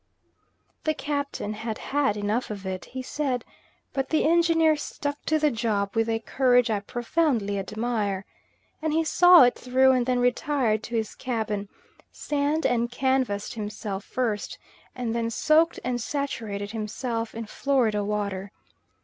The Captain had had enough of it, he said, but the Engineer stuck to the job with a courage I profoundly admire, and he saw it through and then retired to his cabin; sand and canvassed himself first, and then soaked and saturated himself in Florida water.